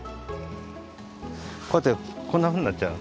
こうやってこんなふうになっちゃう。